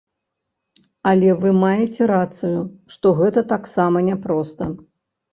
Але вы маеце рацыю, што гэта таксама няпроста.